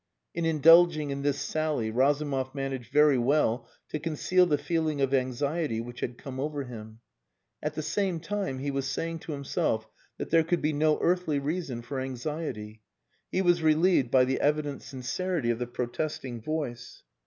In indulging in this sally, Razumov managed very well to conceal the feeling of anxiety which had come over him. At the same time he was saying to himself that there could be no earthly reason for anxiety. He was relieved by the evident sincerity of the protesting voice.